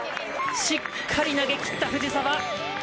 しっかり投げ切った藤澤。